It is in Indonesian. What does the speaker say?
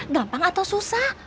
gampang atau susah